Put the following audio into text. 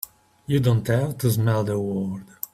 You don't have to smell the world!